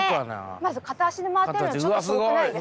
まず片足で回っているのちょっとすごくないですか？